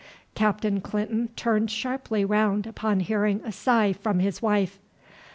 Captain Clinton turned sharply round upon hearing a sigh from his wife.